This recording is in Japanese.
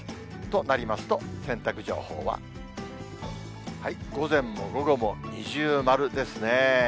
となりますと、洗濯情報は、午前も午後も二重丸ですね。